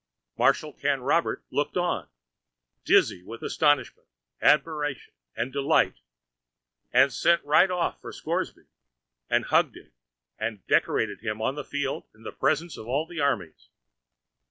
Marshal Canrobert looked on, dizzy with astonishment, admiration, and delight; and sent right off for Scoresby, and hugged him, and decorated him on the field in presence of all the armies!